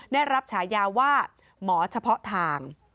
ได้รับฉายาว่าหมอเฉพาะทาง